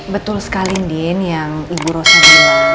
betul sekali dien yang ibu rosa bilang